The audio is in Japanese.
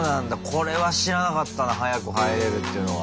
これは知らなかったな早く入れるっていうのは。